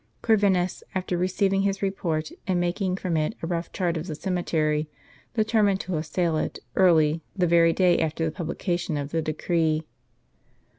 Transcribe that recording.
Corvinus, after receiving his report, and making from it a rough chart of the cemetery, determined to assail it, early, the very day after the publication of the Decree.